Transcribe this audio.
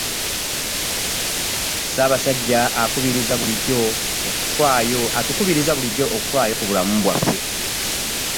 Ssaabasajja atukubiriza bulijjo okufaayo ku bulamu bwaffe.